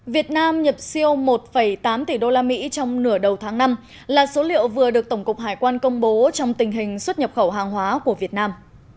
việt nam nhập siêu một tám tỷ usd trong nửa đầu tháng năm là số liệu vừa được tổng cục hải quan công bố trong tình hình xuất nhập khẩu hàng hóa của việt nam